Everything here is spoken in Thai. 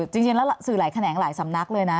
จริงแล้วสื่อหลายแขนงหลายสำนักเลยนะ